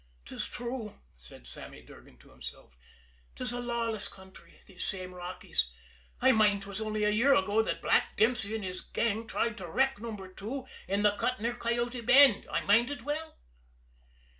"'Tis true," said Sammy Durgan to himself. "'Tis a lawless country, these same Rockies. I mind 'twas only a year ago that Black Dempsey and his gang tried to wreck Number Two in the Cut near Coyote Bend I mind it well."